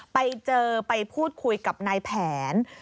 ไปเจอไปพูดคุยกับนายแผน